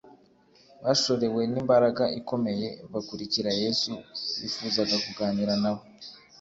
Bashorewe n'imbaraga ikomeye, bakurikira Yesu, bifuzaga kuganira nawe,